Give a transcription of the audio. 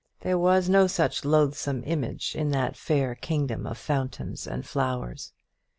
There was no such loathsome image in that fair kingdom of fountains and flowers.